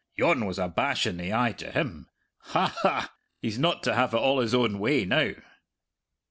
"Yon was a bash in the eye to him. Ha, ha! he's not to have it all his own way now!"